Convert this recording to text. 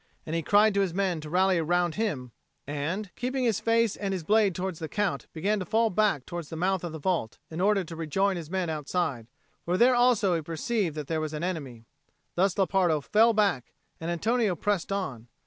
And he cried to his men to rally round him, and, keeping his face and his blade towards the Count, began to fall back towards the mouth of the vault, in order to rejoin his men outside; for there also he perceived that there was an enemy. Thus Lepardo fell back, and Antonio pressed on.